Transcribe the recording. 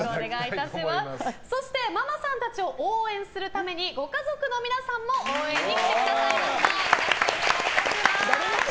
そして、ママさんたちを応援するためにご家族の皆さんも応援に来てくださいました。